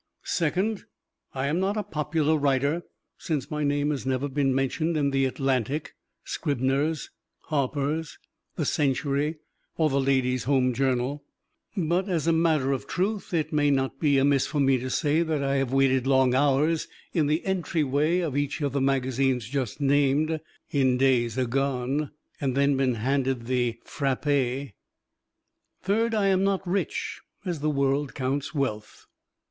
Second, I am not a popular writer, since my name has never been mentioned in the "Atlantic," "Scribner's," "Harper's," "The Century" or the "Ladies' Home Journal." But as a matter of truth, it may not be amiss for me to say that I have waited long hours in the entryway of each of the magazines just named, in days agone, and then been handed the frappe. Third, I am not rich, as the world counts wealth.